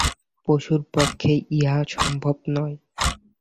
পশুর পক্ষে ইহা সম্ভব নয়।